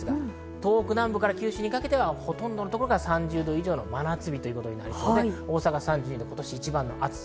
東北などから九州にかけてはほとんどの所が３０度以上の真夏日ということになって大阪は３２度と今年一番の暑さ。